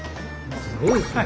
すごいですね。